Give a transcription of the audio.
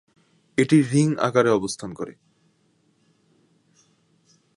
এটি রিং আকারে অবস্থান করে।